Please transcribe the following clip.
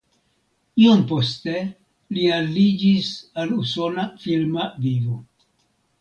Iom poste li aliĝis al usona filma vivo.